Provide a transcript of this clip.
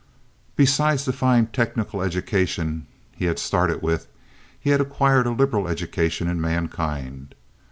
Besides the fine technical education he had started with, he had acquired a liberal education in mankind.